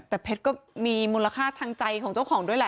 แต่เพชรก็มีมูลค่าทางใจของเจ้าของด้วยแหละ